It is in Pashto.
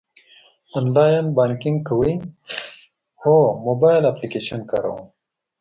آنلاین بانکینګ کوئ؟ هو، موبایل اپلیکیشن کاروم